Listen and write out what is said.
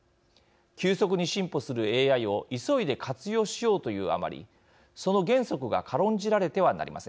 急速に進歩するＡＩを急いで活用しようというあまりその原則が軽んじられてはなりません。